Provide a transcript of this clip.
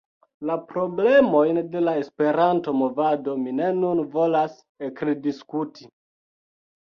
La problemojn de la Esperanto-movado mi ne nun volas ekrediskuti.